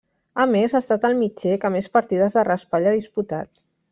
A més, ha estat el mitger que més partides de raspall ha disputat.